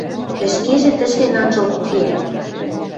ӹшкежӹ тӹшлен анжылт кеӓ.